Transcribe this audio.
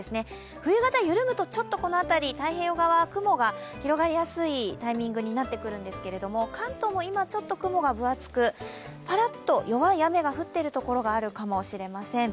冬型緩むとこの辺り、太平洋側雲が広がりやすいタイミングになってくるんですけど関東も今ちょっと雲が分厚く、ぱらっと弱い雨が降っているところがあるかもしれません。